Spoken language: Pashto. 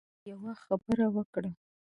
څو ځله يې يوه خبره وکړه.